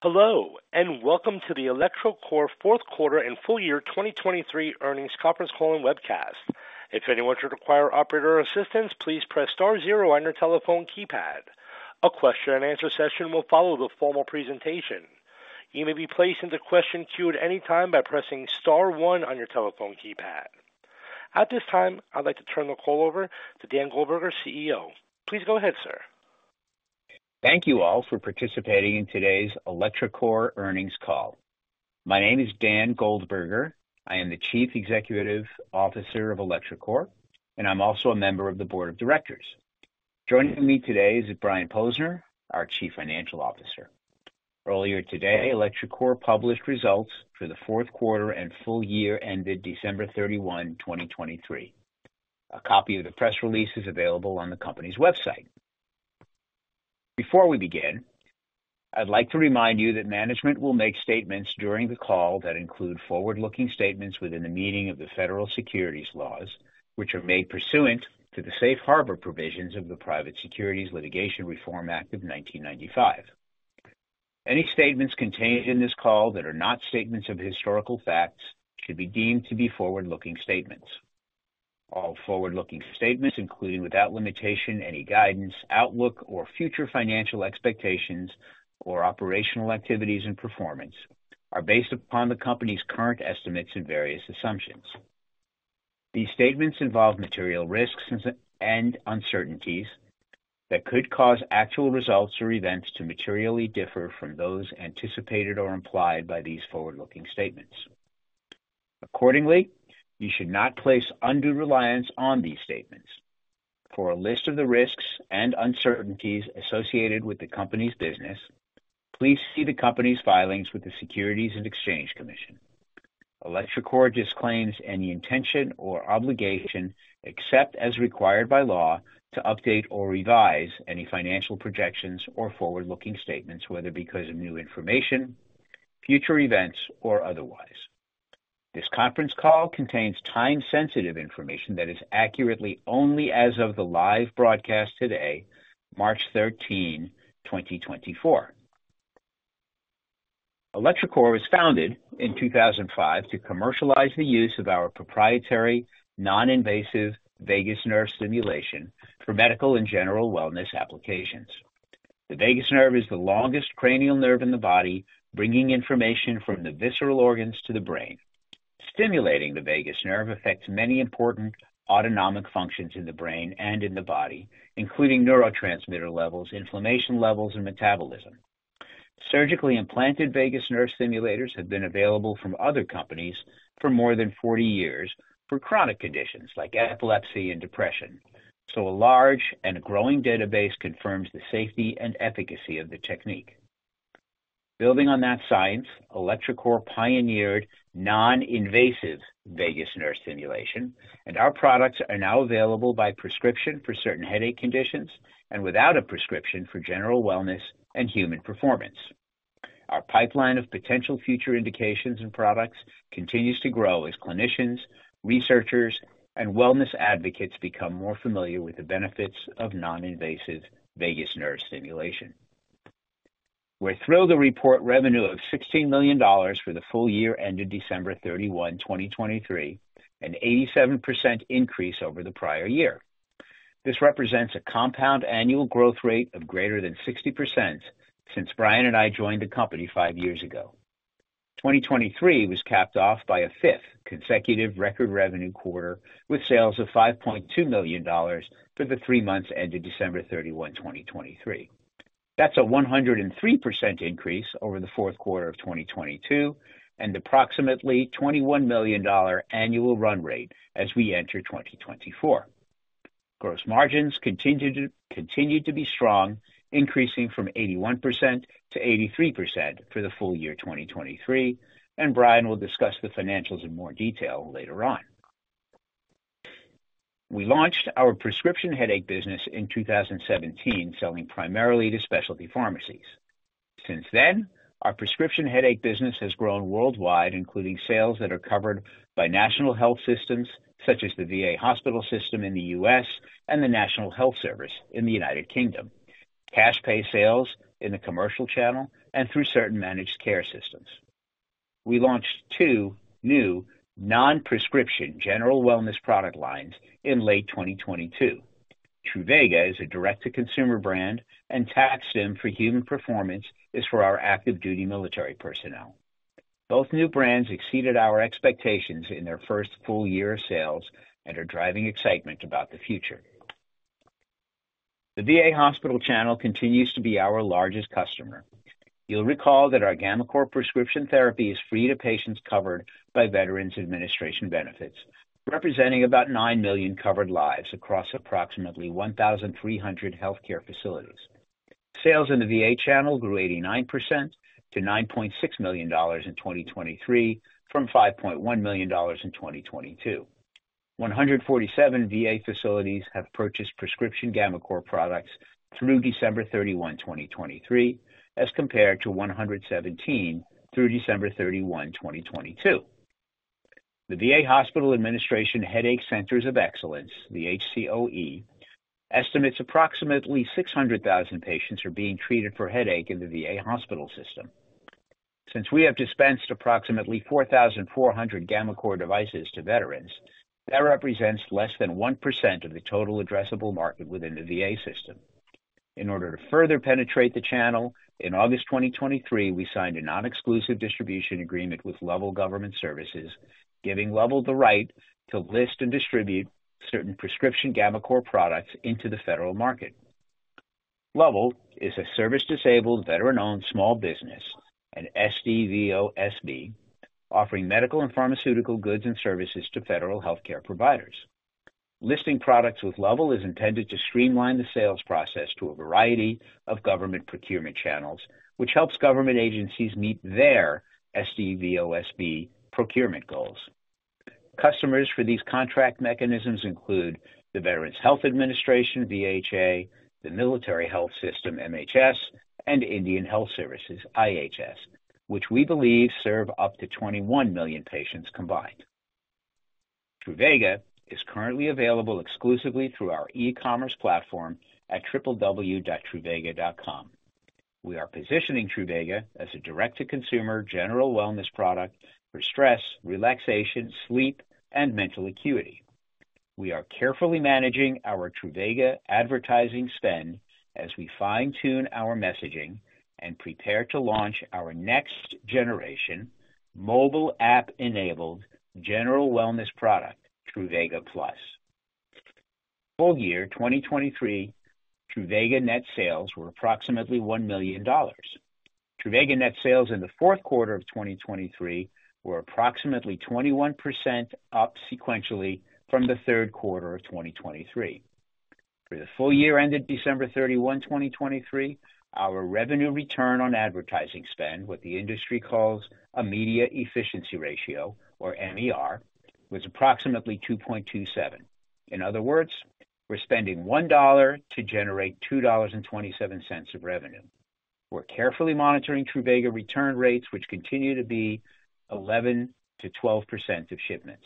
Hello, and welcome to the electroCore Fourth Quarter and Full Year 2023 Earnings Conference Call and Webcast. If anyone should require operator assistance, please press star zero on your telephone keypad. A question-and-answer session will follow the formal presentation. You may be placed into the question queue at any time by pressing star one on your telephone keypad. At this time, I'd like to turn the call over to Daniel Goldberger, CEO. Please go ahead, sir. Thank you all for participating in today's electroCore earnings call. My name is Daniel Goldberger. I am the Chief Executive Officer of electroCore, and I'm also a member of the Board of Directors. Joining me today is Brian Posner, our Chief Financial Officer. Earlier today, electroCore published results for the fourth quarter and full year ended December 31, 2023. A copy of the press release is available on the company's website. Before we begin, I'd like to remind you that management will make statements during the call that include forward-looking statements within the meaning of the federal securities laws, which are made pursuant to the Safe Harbor provisions of the Private Securities Litigation Reform Act of 1995. Any statements contained in this call that are not statements of historical facts should be deemed to be forward-looking statements. All forward-looking statements, including without limitation, any guidance, outlook, or future financial expectations or operational activities and performance, are based upon the company's current estimates and various assumptions. These statements involve material risks and uncertainties that could cause actual results or events to materially differ from those anticipated or implied by these forward-looking statements. Accordingly, you should not place undue reliance on these statements. For a list of the risks and uncertainties associated with the company's business, please see the company's filings with the Securities and Exchange Commission. electroCore disclaims any intention or obligation, except as required by law, to update or revise any financial projections or forward-looking statements, whether because of new information, future events, or otherwise. This conference call contains time-sensitive information that is accurate only as of the live broadcast today, March 13, 2024. electroCore was founded in 2005 to commercialize the use of our proprietary non-invasive vagus nerve stimulation for medical and general wellness applications. The vagus nerve is the longest cranial nerve in the body, bringing information from the visceral organs to the brain. Stimulating the vagus nerve affects many important autonomic functions in the brain and in the body, including neurotransmitter levels, inflammation levels, and metabolism. Surgically implanted vagus nerve stimulators have been available from other companies for more than 40 years for chronic conditions like epilepsy and depression, so a large and growing database confirms the safety and efficacy of the technique. Building on that science, electroCore pioneered non-invasive vagus nerve stimulation, and our products are now available by prescription for certain headache conditions and without a prescription for general wellness and human performance. Our pipeline of potential future indications and products continues to grow as clinicians, researchers, and wellness advocates become more familiar with the benefits of non-invasive vagus nerve stimulation. We're thrilled to report revenue of $16 million for the full year ended December 31, 2023, an 87% increase over the prior year. This represents a compound annual growth rate of greater than 60% since Brian and I joined the company five years ago. Twenty twenty-three was capped off by a fifth consecutive record revenue quarter, with sales of $5.2 million for the three months ended December 31, 2023. That's a 103% increase over the fourth quarter of 2022 and approximately $21 million annual run rate as we enter 2024. Gross margins continue to be strong, increasing from 81% to 83% for the full year 2023, and Brian will discuss the financials in more detail later on. We launched our prescription headache business in 2017, selling primarily to specialty pharmacies. Since then, our prescription headache business has grown worldwide, including sales that are covered by national health systems such as the VA hospital system in the U.S. and the National Health Service in the United Kingdom, cash pay sales in the commercial channel and through certain managed care systems. We launched two new non-prescription general wellness product lines in late 2022. Truvaga is a direct-to-consumer brand, and TAC-STIM for human performance is for our active duty military personnel. Both new brands exceeded our expectations in their first full year of sales and are driving excitement about the future. The VA hospital channel continues to be our largest customer. You'll recall that our gammaCore prescription therapy is free to patients covered by Veterans Administration benefits, representing about 9 million covered lives across approximately 1,300 healthcare facilities. Sales in the VA channel grew 89% to $9.6 million in 2023 from $5.1 million in 2022. 147 VA facilities have purchased prescription gammaCore products through December 31, 2023, as compared to 117 through December 31, 2022. The VA Hospital Administration Headache Centers of Excellence, the HCOE, estimates approximately 600,000 patients are being treated for headache in the VA hospital system. Since we have dispensed approximately 4,400 gammaCore devices to veterans, that represents less than 1% of the total addressable market within the VA system. In order to further penetrate the channel, in August 2023, we signed a non-exclusive distribution agreement with Lovell Government Services, giving Lovell the right to list and distribute certain prescription gammaCore products into the federal market. Lovell is a service-disabled, veteran-owned small business, an SDVOSB, offering medical and pharmaceutical goods and services to federal healthcare providers. Listing products with Lovell is intended to streamline the sales process to a variety of government procurement channels, which helps government agencies meet their SDVOSB procurement goals. Customers for these contract mechanisms include the Veterans Health Administration, VHA, the Military Health System, MHS, and Indian Health Services, IHS, which we believe serve up to 21 million patients combined. Truvaga is currently available exclusively through our e-commerce platform at www.truvaga.com. We are positioning Truvaga as a direct-to-consumer general wellness product for stress, relaxation, sleep, and mental acuity. We are carefully managing our Truvaga advertising spend as we fine-tune our messaging and prepare to launch our next generation mobile app-enabled general wellness product, Truvaga Plus. Full year 2023, Truvaga net sales were approximately $1 million. Truvaga net sales in the fourth quarter of 2023 were approximately 21% up sequentially from the third quarter of 2023. For the full year ended December 31, 2023, our revenue return on advertising spend, what the industry calls a media efficiency ratio or MER, was approximately 2.27. In other words, we're spending $1 to generate $2.27 of revenue. We're carefully monitoring Truvaga return rates, which continue to be 11%-12% of shipments.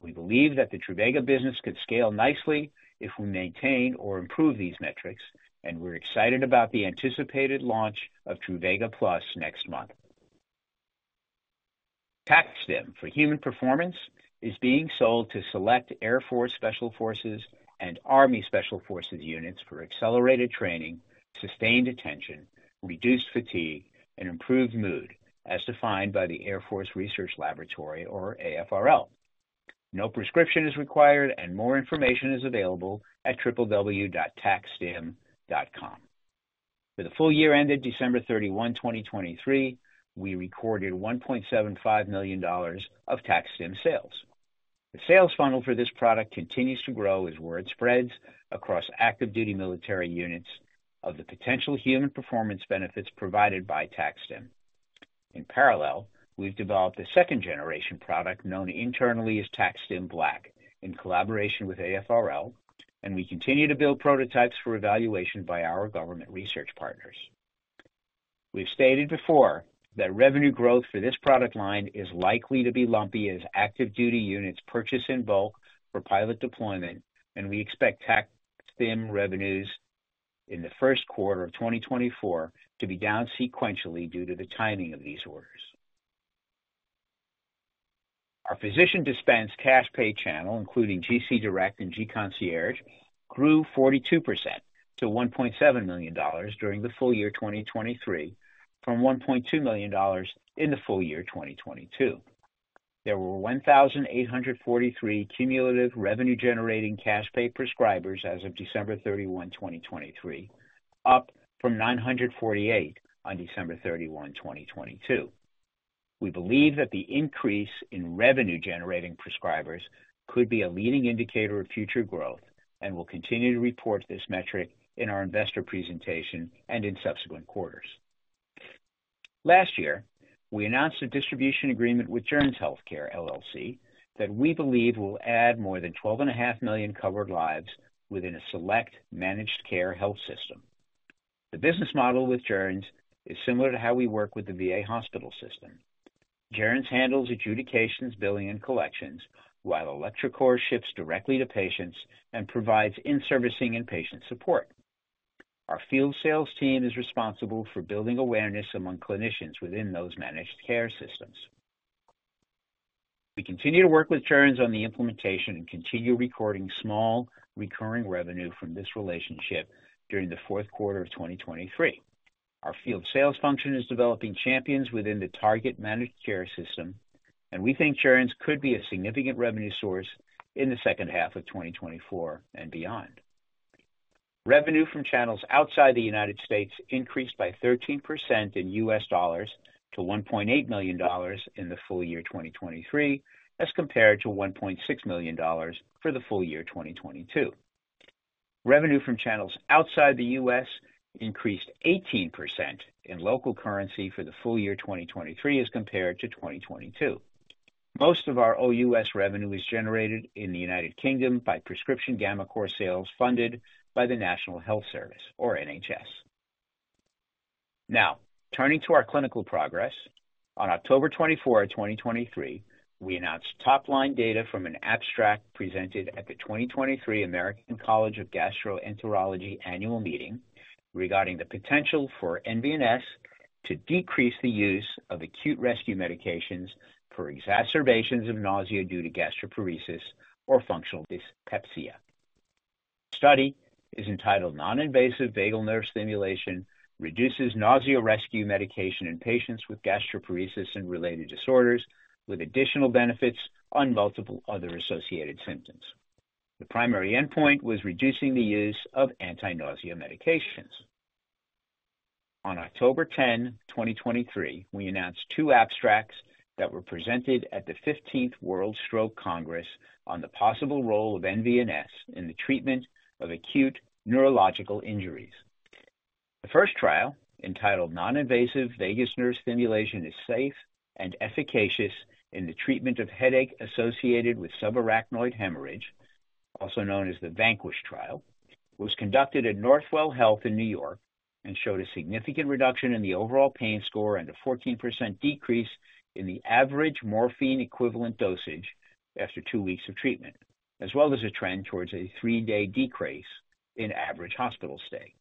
We believe that the Truvaga business could scale nicely if we maintain or improve these metrics, and we're excited about the anticipated launch of Truvaga Plus next month. TAC-STIM for Human Performance is being sold to select Air Force Special Forces and Army Special Forces units for accelerated training, sustained attention, reduced fatigue, and improved mood, as defined by the Air Force Research Laboratory or AFRL. No prescription is required, and more information is available at www.tacstim.com. For the full year ended December 31, 2023, we recorded $1.75 million of TAC-STIM sales. The sales funnel for this product continues to grow as word spreads across active duty military units of the potential human performance benefits provided by TAC-STIM. In parallel, we've developed a second generation product known internally as TAC-STIM Black in collaboration with AFRL, and we continue to build prototypes for evaluation by our government research partners. We've stated before that revenue growth for this product line is likely to be lumpy as active duty units purchase in bulk for pilot deployment, and we expect TAC-STIM revenues in the first quarter of 2024 to be down sequentially due to the timing of these orders. Our physician dispensed cash pay channel, including GC Direct and GC Concierge, grew 42% to $1.7 million during the full year, 2023, from $1.2 million in the full year, 2022. There were 1,843 cumulative revenue-generating cash pay prescribers as of December 31, 2023, up from 948 on December 31, 2022. We believe that the increase in revenue-generating prescribers could be a leading indicator of future growth and will continue to report this metric in our investor presentation and in subsequent quarters. Last year, we announced a distribution agreement with Joerns Healthcare, LLC, that we believe will add more than 12.5 million covered lives within a select managed care health system. The business model with Joerns is similar to how we work with the VA hospital system. Joerns handles adjudications, billing, and collections, while electroCore ships directly to patients and provides in-servicing and patient support. Our field sales team is responsible for building awareness among clinicians within those managed care systems. We continue to work with Joerns on the implementation and continue recording small recurring revenue from this relationship during the fourth quarter of 2023. Our field sales function is developing champions within the target managed care system, and we think Joerns could be a significant revenue source in the second half of 2024 and beyond. Revenue from channels outside the United States increased by 13% in US dollars to $1.8 million in the full year 2023, as compared to $1.6 million for the full year 2022. Revenue from channels outside the US increased 18% in local currency for the full year 2023, as compared to 2022. Most of our OUS revenue is generated in the United Kingdom by prescription gammaCore sales funded by the National Health Service or NHS. Now, turning to our clinical progress. On October 24, 2023, we announced top-line data from an abstract presented at the 2023 American College of Gastroenterology annual meeting, regarding the potential for nVNS to decrease the use of acute rescue medications for exacerbations of nausea due to gastroparesis or functional dyspepsia. Study is entitled Non-Invasive Vagus Nerve Stimulation, reduces nausea rescue medication in patients with gastroparesis and related disorders, with additional benefits on multiple other associated symptoms. The primary endpoint was reducing the use of anti-nausea medications. On October 10, 2023, we announced two abstracts that were presented at the 15th World Stroke Congress on the possible role of nVNS in the treatment of acute neurological injuries. The first trial, entitled Non-Invasive Vagus Nerve Stimulation is safe and efficacious in the treatment of headache associated with subarachnoid hemorrhage, also known as the VANQUISH trial, was conducted at Northwell Health in New York and showed a significant reduction in the overall pain score and a 14% decrease in the average morphine equivalent dosage after two weeks of treatment, as well as a trend towards a three-day decrease in average hospital stay.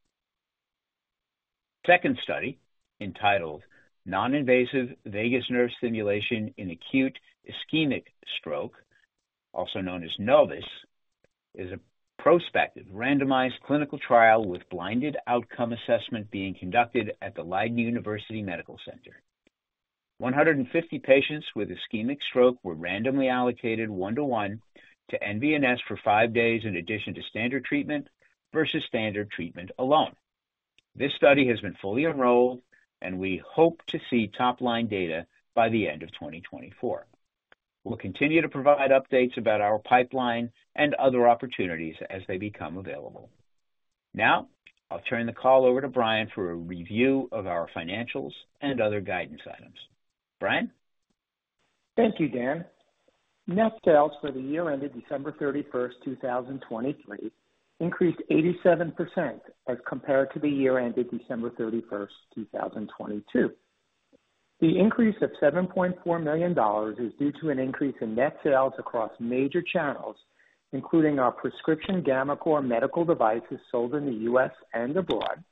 Second study, entitled Non-Invasive Vagus Nerve Stimulation in Acute Ischemic Stroke, also known as NOVIS, is a prospective, randomized clinical trial with blinded outcome assessment being conducted at the Leiden University Medical Center. 150 patients with ischemic stroke were randomly allocated 1:1 to nVNS for five days, in addition to standard treatment versus standard treatment alone. This study has been fully enrolled, and we hope to see top-line data by the end of 2024. We'll continue to provide updates about our pipeline and other opportunities as they become available. Now, I'll turn the call over to Brian for a review of our financials and other guidance items. Brian? Thank you, Daniel. Net sales for the year ended December 31, 2023, increased 87% as compared to the year ended December 31, 2022. The increase of $7.4 million is due to an increase in net sales across major channels, including our prescription gammaCore medical devices sold in the US and abroad,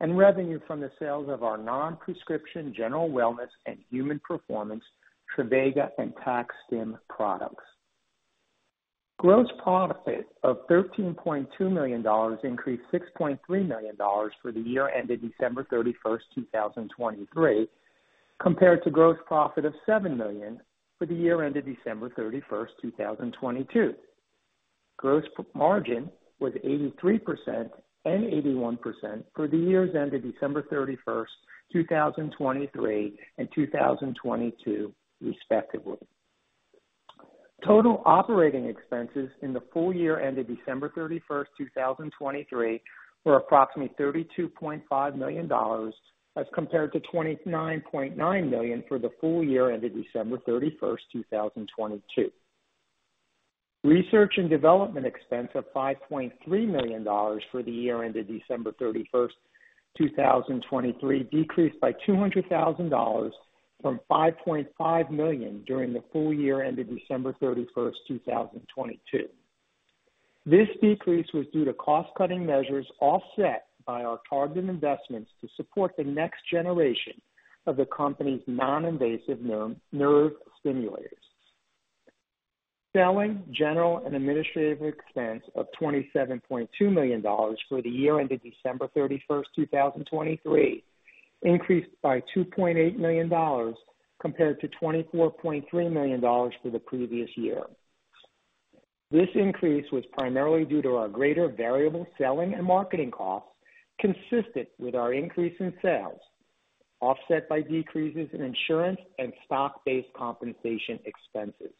and revenue from the sales of our non-prescription general wellness and human performance, Truvaga and TAC-STIM products. Gross profit of $13.2 million increased $6.3 million for the year ended December 31, 2023, compared to gross profit of $7 million for the year ended December 31, 2022. Gross margin was 83% and 81% for the years ended December 31, 2023 and 2022, respectively. Total operating expenses in the full year ended December 31, 2023, were approximately $32.5 million, as compared to $29.9 million for the full year ended December 31, 2022. Research and development expense of $5.3 million for the year ended December 31, 2023, decreased by $200,000 from $5.5 million during the full year ended December 31, 2022. This decrease was due to cost-cutting measures, offset by our targeted investments to support the next generation of the company's non-invasive nerve stimulators. Selling, general, and administrative expense of $27.2 million for the year ended December 31, 2023, increased by $2.8 million compared to $24.3 million for the previous year. This increase was primarily due to our greater variable selling and marketing costs, consistent with our increase in sales, offset by decreases in insurance and stock-based compensation expenses.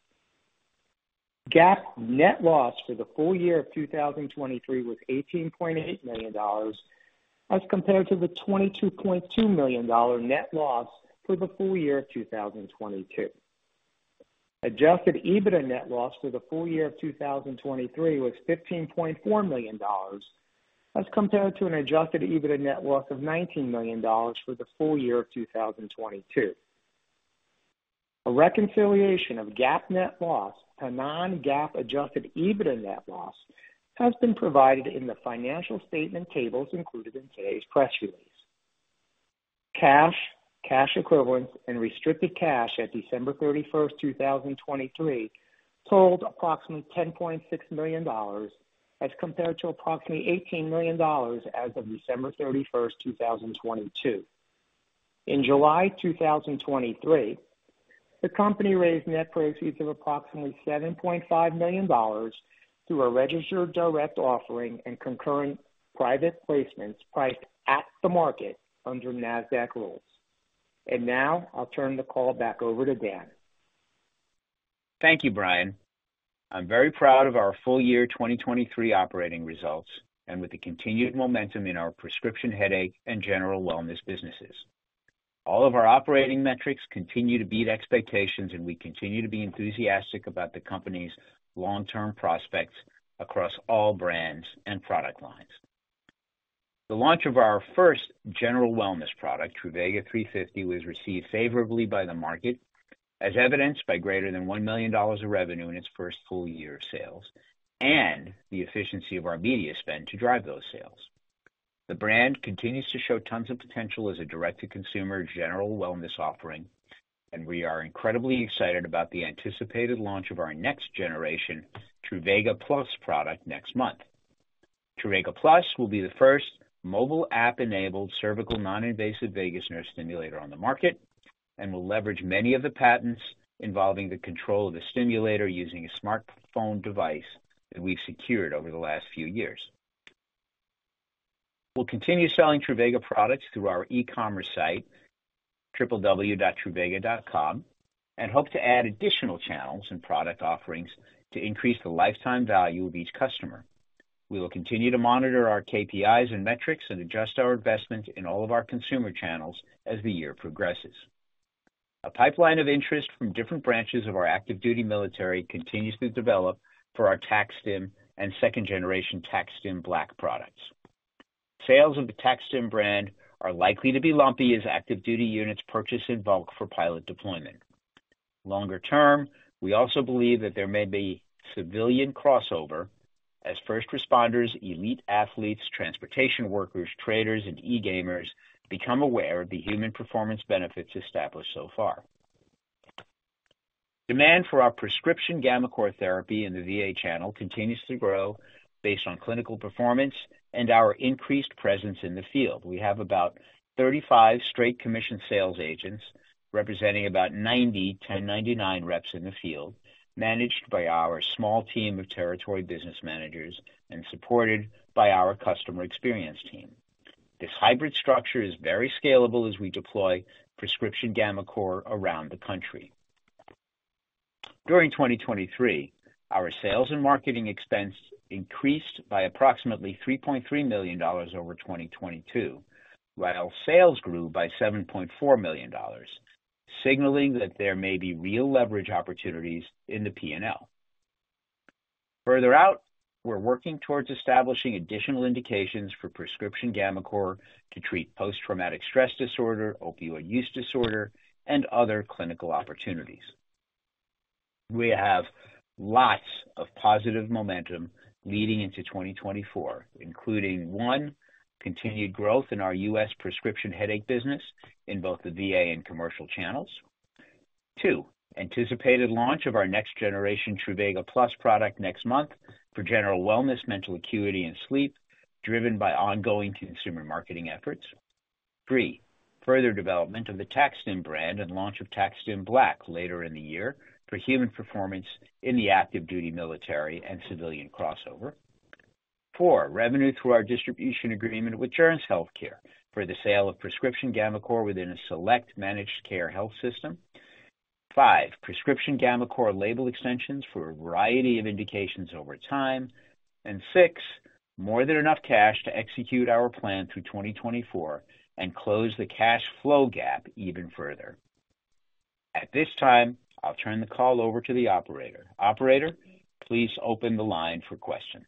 GAAP net loss for the full year of 2023 was $18.8 million, as compared to the $22.2 million net loss for the full year of 2022. Adjusted EBITDA net loss for the full year of 2023 was $15.4 million, as compared to an adjusted EBITDA net loss of $19 million for the full year of 2022. A reconciliation of GAAP net loss to non-GAAP adjusted EBITDA net loss has been provided in the financial statement tables included in today's press release. Cash, cash equivalents, and restricted cash at December 31, 2023, totaled approximately $10.6 million, as compared to approximately $18 million as of December 31, 2022. In July 2023, the company raised net proceeds of approximately $7.5 million through a registered direct offering and concurrent private placements priced at the market under NASDAQ rules. Now I'll turn the call back over to Daniel. Thank you, Brian. I'm very proud of our full year 2023 operating results and with the continued momentum in our prescription, headache, and general wellness businesses. All of our operating metrics continue to beat expectations, and we continue to be enthusiastic about the company's long-term prospects across all brands and product lines. The launch of our first general wellness product, Truvaga 350, was received favorably by the market, as evidenced by greater than $1 million of revenue in its first full year of sales, and the efficiency of our media spend to drive those sales. The brand continues to show tons of potential as a direct-to-consumer general wellness offering, and we are incredibly excited about the anticipated launch of our next generation Truvaga Plus product next month. Truvaga Plus will be the first mobile app-enabled cervical non-invasive vagus nerve stimulator on the market, and will leverage many of the patents involving the control of the stimulator using a smartphone device that we've secured over the last few years. We'll continue selling Truvaga products through our e-commerce site, www.truvaga.com, and hope to add additional channels and product offerings to increase the lifetime value of each customer. We will continue to monitor our KPIs and metrics and adjust our investment in all of our consumer channels as the year progresses. A pipeline of interest from different branches of our active duty military continues to develop for our TAC-STIM and second-generation TAC-STIM Black products. Sales of the TAC-STIM brand are likely to be lumpy as active duty units purchase in bulk for pilot deployment. Longer term, we also believe that there may be civilian crossover as first responders, elite athletes, transportation workers, traders, and e-gamers become aware of the human performance benefits established so far. Demand for our prescription gammaCore therapy in the VA channel continues to grow based on clinical performance and our increased presence in the field. We have about 35 straight commission sales agents, representing about 90 1099 reps in the field, managed by our small team of territory business managers and supported by our customer experience team. This hybrid structure is very scalable as we deploy prescription gammaCore around the country. During 2023, our sales and marketing expense increased by approximately $3.3 million over 2022, while sales grew by $7.4 million, signaling that there may be real leverage opportunities in the P&L. Further out, we're working towards establishing additional indications for prescription gammaCore to treat post-traumatic stress disorder, opioid use disorder, and other clinical opportunities. We have lots of positive momentum leading into 2024, including, one, continued growth in our U.S. prescription headache business in both the VA and commercial channels. Two, anticipated launch of our next generation Truvaga Plus product next month for general wellness, mental acuity, and sleep, driven by ongoing consumer marketing efforts. Three, further development of the TAC-STIM brand and launch of TAC-STIM Black later in the year for human performance in the active duty military and civilian crossover. Four, revenue through our distribution agreement with Joerns Healthcare for the sale of prescription gammaCore within a select managed care health system. Five, prescription gammaCore label extensions for a variety of indications over time. Six, more than enough cash to execute our plan through 2024 and close the cash flow gap even further. At this time, I'll turn the call over to the operator. Operator, please open the line for questions.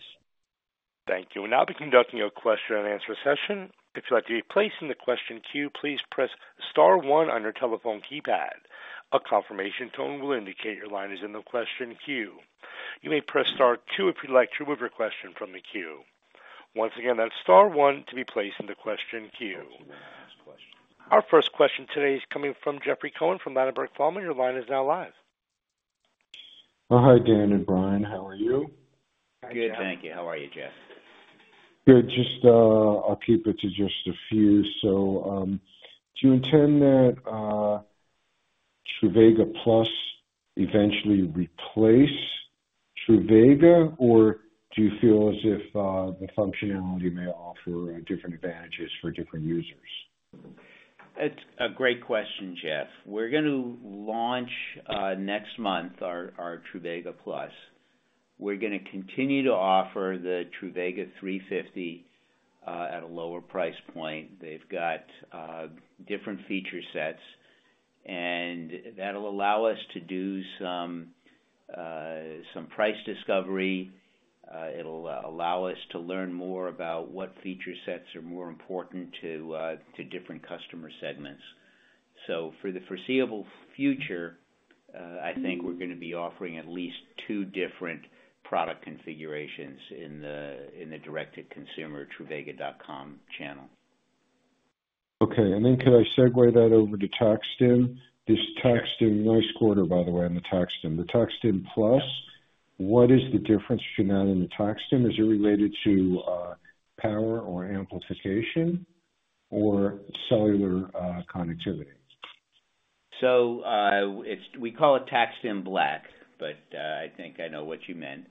Thank you. We'll now be conducting a question and answer session. If you'd like to be placed in the question queue, please press star one on your telephone keypad. A confirmation tone will indicate your line is in the question queue. You may press star two if you'd like to remove your question from the queue. Once again, that's star one to be placed in the question queue. Our first question today is coming from Jeffrey Cohen from Ladenburg Thalmann. Your line is now live. Hi, Dan and Brian. How are you? Good, thank you. How are you, Jeffrey? Good. Just, I'll keep it to just a few. So, do you intend that, Truvaga Plus eventually replace Truvaga? Or do you feel as if, the functionality may offer different advantages for different users? It's a great question, Jeff. We're going to launch next month our Truvaga Plus. We're gonna continue to offer the Truvaga 350 at a lower price point. They've got different feature sets, and that'll allow us to do some price discovery. It'll allow us to learn more about what feature sets are more important to different customer segments. So for the foreseeable future, I think we're gonna be offering at least two different product configurations in the direct-to-consumer truvaga.com channel. Okay, and then could I segue that over to TAC-STIM? This TAC-STIM, nice quarter, by the way, on the TAC-STIM. The TAC-STIM Plus, what is the difference between that and the TAC-STIM? Is it related to power or amplification or cellular connectivity? So, it's we call it TAC-STIM Black, but I think I know what you meant.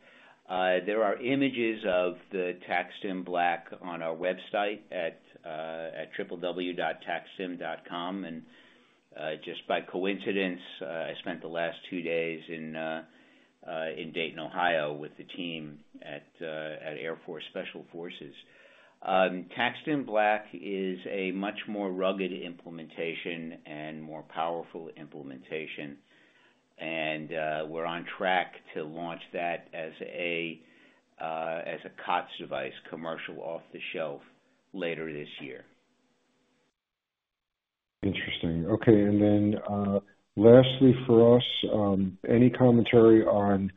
There are images of the TAC-STIM Black on our website at www.tacstim.com. Just by coincidence, I spent the last two days in Dayton, Ohio, with the team at Air Force Special Forces. TAC-STIM Black is a much more rugged implementation and more powerful implementation, and we're on track to launch that as a COTS device, commercial off-the-shelf, later this year. Interesting. Okay, and then, lastly, for us, any commentary on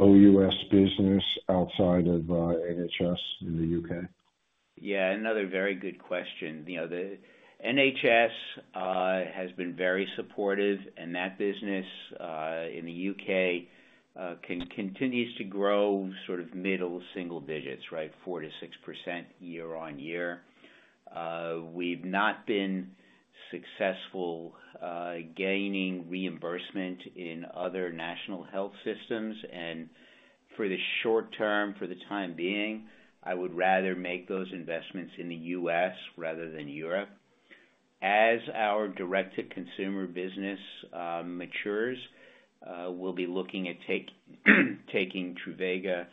OUS business outside of NHS in the UK? Yeah, another very good question. You know, the NHS has been very supportive, and that business in the U.K. continues to grow sort of middle single digits, right? 4%-6% year-over-year. We've not been successful gaining reimbursement in other national health systems, and for the short term, for the time being, I would rather make those investments in the U.S. rather than Europe. As our direct-to-consumer business matures, we'll be looking at taking Truvaga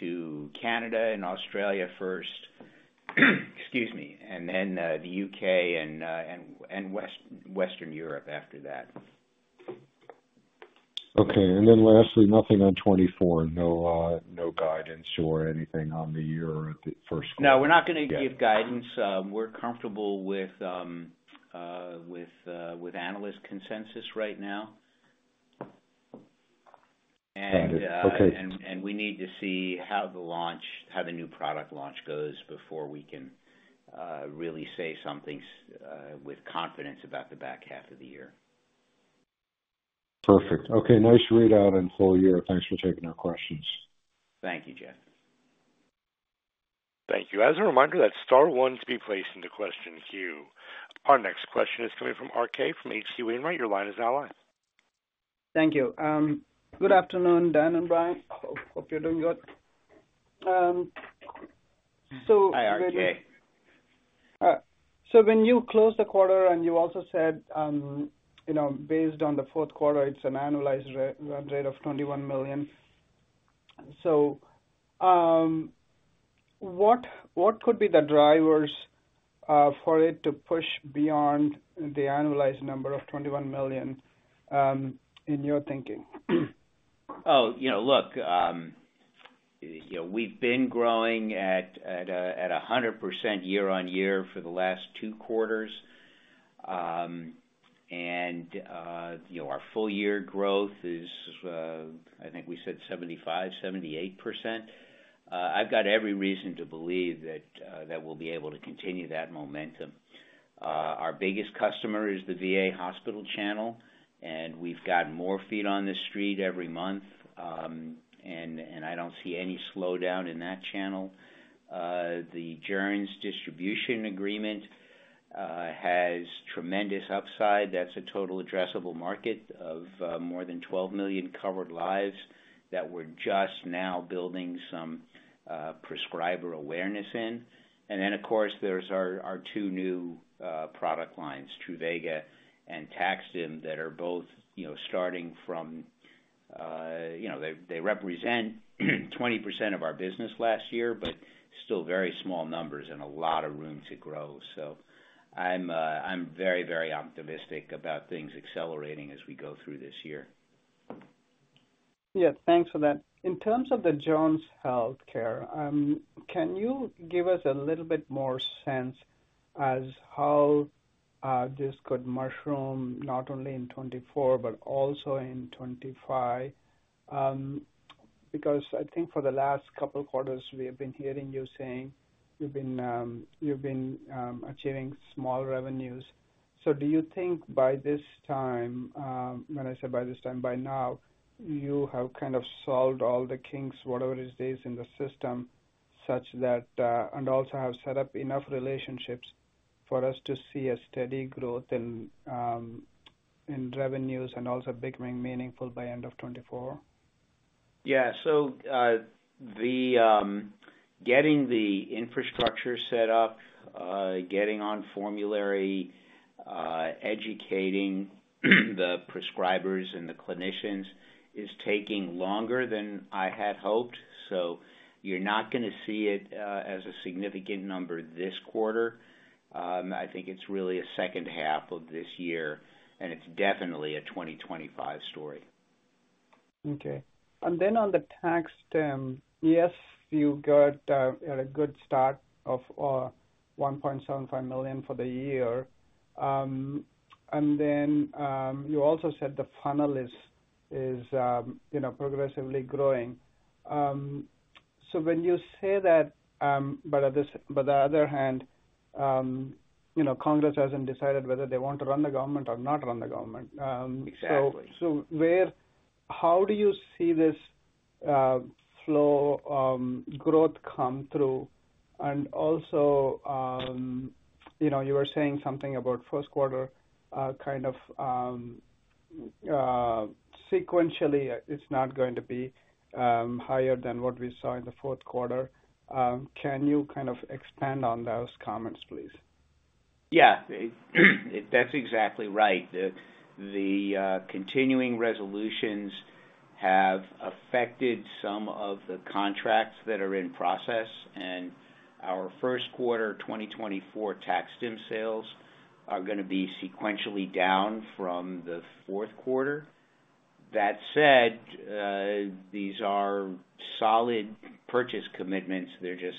to Canada and Australia first, excuse me, and then the U.K. and Western Europe after that. Okay, and then lastly, nothing on 24. No, no guidance or anything on the year or the first quarter? No, we're not gonna give guidance. We're comfortable with analyst consensus right now. Understood. Okay. And we need to see how the new product launch goes before we can really say something with confidence about the back half of the year. Perfect. Okay, nice readout on full year. Thanks for taking our questions. Thank you, Jeffrey. Thank you. As a reminder, that's star one to be placed into question queue. Our next question is coming from RK from H.C. Wainwright. Your line is now live. Thank you. Good afternoon, Daniel and Brian. Hope you're doing good. So- Hi, RK. So when you closed the quarter, and you also said, you know, based on the fourth quarter, it's an annualized run rate of $21 million. So, what could be the drivers for it to push beyond the annualized number of $21 million, in your thinking? Oh, you know, look, you know, we've been growing at 100% year-on-year for the last two quarters. And, you know, our full year growth is, I think we said 75%-78%. I've got every reason to believe that we'll be able to continue that momentum. Our biggest customer is the VA hospital channel, and we've got more feet on the street every month, and I don't see any slowdown in that channel. The Joerns distribution agreement has tremendous upside. That's a total addressable market of more than 12 million covered lives that we're just now building some prescriber awareness in. And then, of course, there's our two new product lines, Truvaga and TAC-STIM, that are both, you know, starting from... You know, they, they represent 20% of our business last year, but still very small numbers and a lot of room to grow. So I'm, I'm very, very optimistic about things accelerating as we go through this year. Yeah, thanks for that. In terms of the Joerns Healthcare, can you give us a little bit more sense as how this could mushroom not only in 2024 but also in 2025? Because I think for the last couple quarters, we have been hearing you saying you've been, you've been, achieving small revenues. So do you think by this time, when I say by this time, by now, you have kind of solved all the kinks, whatever it is, in the system, such that, and also have set up enough relationships for us to see a steady growth in, in revenues and also becoming meaningful by end of 2024? Yeah. So, the getting the infrastructure set up, getting on formulary, educating the prescribers and the clinicians, is taking longer than I had hoped, so you're not gonna see it as a significant number this quarter. I think it's really a second half of this year, and it's definitely a 2025 story. Okay. And then on the TAC-STIM, yes, you got a good start of $1.75 million for the year. And then you also said the funnel is you know, progressively growing. So when you say that, but on the other hand, you know, Congress hasn't decided whether they want to run the government or not run the government. Exactly. So, where, how do you see this low growth come through? And also, you know, you were saying something about first quarter, kind of, sequentially, it's not going to be higher than what we saw in the fourth quarter. Can you kind of expand on those comments, please? Yeah, that's exactly right. The continuing resolutions have affected some of the contracts that are in process, and our first quarter 2024 TAC-STIM sales are gonna be sequentially down from the fourth quarter. That said, these are solid purchase commitments. They're just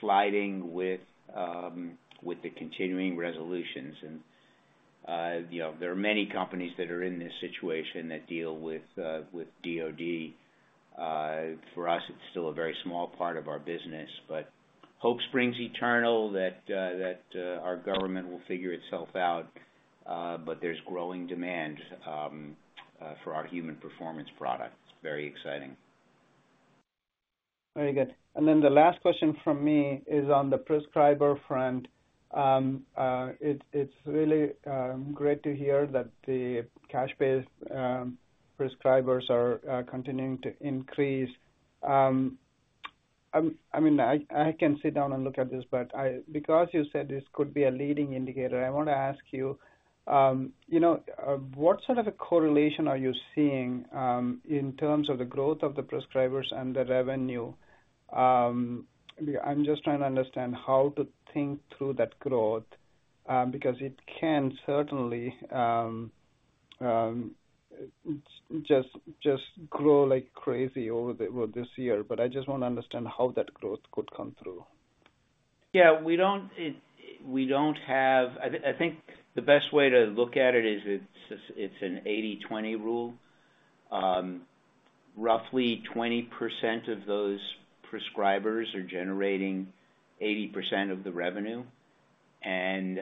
sliding with the continuing resolutions. And, you know, there are many companies that are in this situation that deal with DoD. For us, it's still a very small part of our business, but hope springs eternal that our government will figure itself out, but there's growing demand for our human performance products. Very exciting. Very good. And then the last question from me is on the prescriber front. It's really great to hear that the cash pay prescribers are continuing to increase. I mean, I can sit down and look at this, but because you said this could be a leading indicator, I want to ask you, you know, what sort of a correlation are you seeing in terms of the growth of the prescribers and the revenue? I'm just trying to understand how to think through that growth, because it can certainly just grow like crazy over the, well, this year, but I just want to understand how that growth could come through. Yeah, we don't, it, we don't have... I think the best way to look at it is it's an 80/20 rule. Roughly 20% of those prescribers are generating 80% of the revenue. And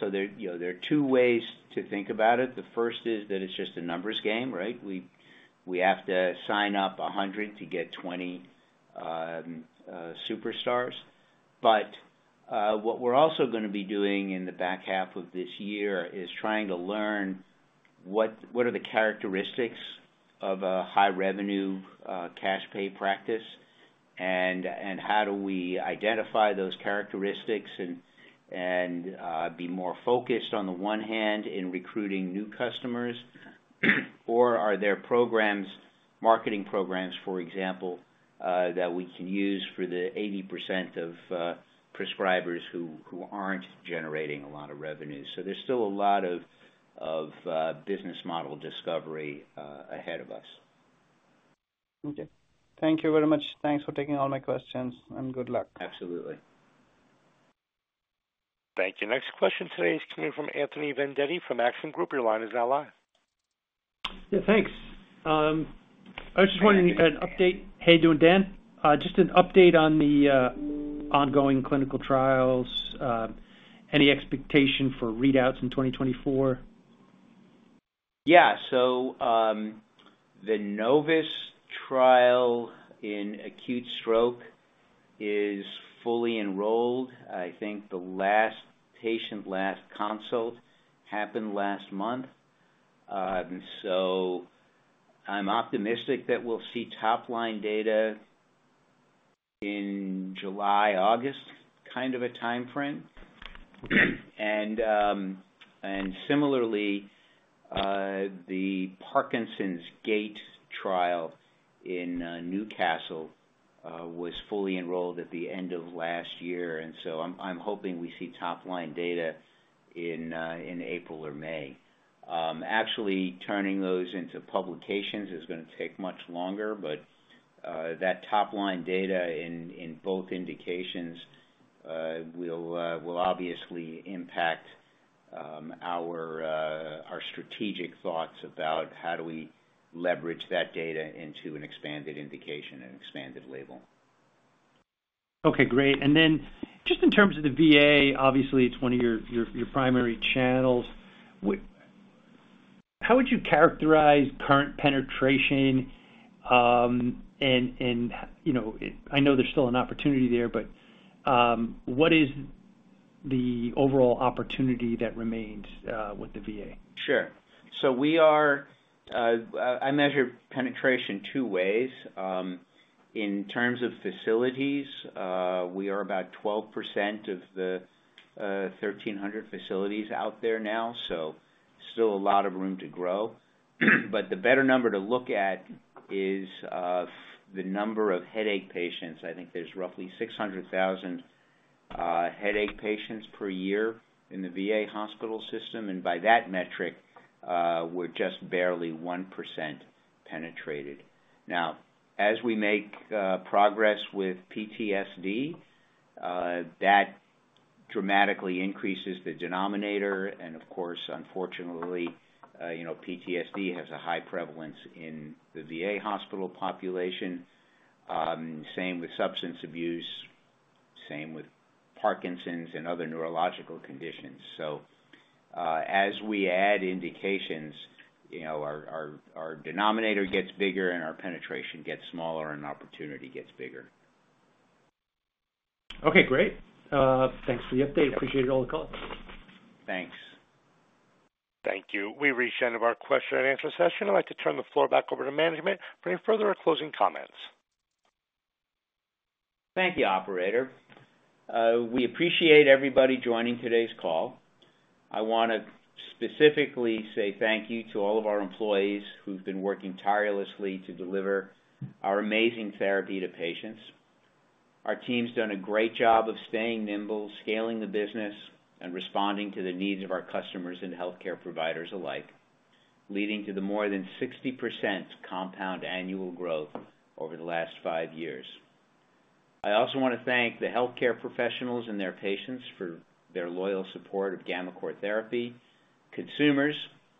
so there, you know, there are two ways to think about it. The first is that it's just a numbers game, right? We have to sign up 100 to get 20 superstars. But what we're also gonna be doing in the back half of this year is trying to learn what are the characteristics of a high revenue cash pay practice, and how do we identify those characteristics and be more focused, on the one hand, in recruiting new customers? Or are there programs, marketing programs, for example, that we can use for the 80% of prescribers who aren't generating a lot of revenue? So there's still a lot of business model discovery ahead of us. Okay. Thank you very much. Thanks for taking all my questions, and good luck. Absolutely. Thank you. Next question today is coming from Anthony Vendetti from Maxim Group. Your line is now live. Yeah, thanks. I was just wondering an update- Hey, Anthony. How you doing, Daniel? Just an update on the ongoing clinical trials. Any expectation for readouts in 2024? Yeah. So, the NOVIS trial in acute stroke is fully enrolled. I think the last patient, last consult happened last month. So I'm optimistic that we'll see top-line data in July, August, kind of a timeframe. And, and similarly, the Parkinson's Gait trial in, Newcastle, was fully enrolled at the end of last year, and so I'm, I'm hoping we see top-line data in, in April or May. Actually, turning those into publications is gonna take much longer, but, that top-line data in, in both indications, will, will obviously impact, our, our strategic thoughts about how do we leverage that data into an expanded indication and expanded label. Okay, great. And then just in terms of the VA, obviously, it's one of your primary channels. How would you characterize current penetration? And you know, I know there's still an opportunity there, but what is the overall opportunity that remains with the VA? Sure. So we are, I measure penetration two ways. In terms of facilities, we are about 12% of the 1,300 facilities out there now, so still a lot of room to grow. But the better number to look at is the number of headache patients. I think there's roughly 600,000 headache patients per year in the VA hospital system, and by that metric, we're just barely 1% penetrated. Now, as we make progress with PTSD, that dramatically increases the denominator, and of course, unfortunately, you know, PTSD has a high prevalence in the VA hospital population. Same with substance abuse, same with Parkinson's and other neurological conditions. So, as we add indications, you know, our denominator gets bigger and our penetration gets smaller, and opportunity gets bigger. Okay, great. Thanks for the update. Appreciate all the calls. Thanks. Thank you. We've reached the end of our question and answer session. I'd like to turn the floor back over to management for any further or closing comments. Thank you, operator. We appreciate everybody joining today's call. I want to specifically say thank you to all of our employees who've been working tirelessly to deliver our amazing therapy to patients. Our team's done a great job of staying nimble, scaling the business, and responding to the needs of our customers and healthcare providers alike, leading to the more than 60% compound annual growth over the last five years. I also want to thank the healthcare professionals and their patients for their loyal support of gammaCore therapy, consumers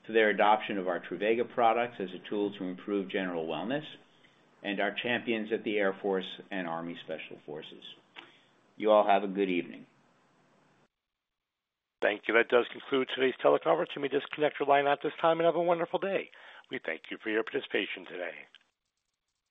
for their adoption of our Truvaga products as a tool to improve general wellness, and our champions at the Air Force and Army Special Forces. You all have a good evening. Thank you. That does conclude today's teleconference. You may disconnect your line at this time and have a wonderful day. We thank you for your participation today.